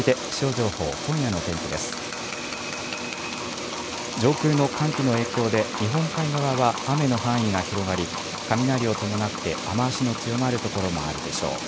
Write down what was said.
上空の寒気の影響で日本海側は雨の範囲が広がり雷を伴って雨足の強まる所もあるでしょう。